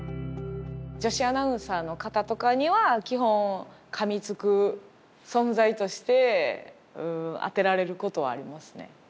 女子アナウンサーの方とかには基本かみつく存在としてあてられることはありますね。